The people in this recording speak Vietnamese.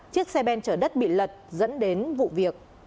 chiếc xe ben chở đất bị lật dẫn đến vụ việc